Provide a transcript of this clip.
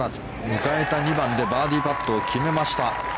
迎えた２番でバーディーパットを決めました。